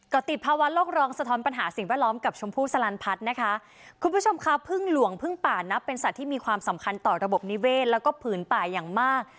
ก็ติดภาวะโลกร้องสะท้อนปัญหาสิ่งแวดล้อมกับชมพู่สลันพัฒน์นะคะคุณผู้ชมค่ะพึ่งหลวงพึ่งป่านับเป็นสัตว์ที่มีความสำคัญต่อระบบนิเวศแล้วก็ผืนป่าอย่างมาก